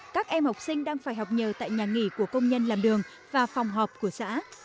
các em học sinh đang phải học nhờ tại nhà nghỉ của công nhân làm đường và phòng họp của xã